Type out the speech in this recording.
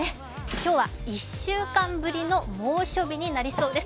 今日は１週間ぶりの猛暑日になりそうです。